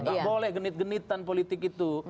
nggak boleh genit genitan politik itu